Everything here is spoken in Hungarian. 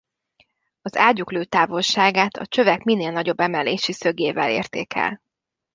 Az ágyúk lőtávolságát a csövek minél nagyobb emelési szögével érték el.